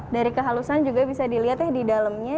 dari kehalusan juga bisa dilihat ya di dalamnya